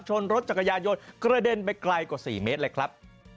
รถจักรยานยนต์กระเด็นไปไกลกว่า๔เมตรเลยครับ